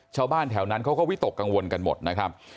ชาวบ้านแถวนั้นเขาก็วิตกกังวลกันหมดนะครับ